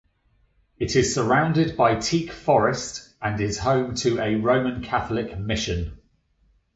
It is surrounded by teak forest and is home to a Roman Catholic mission.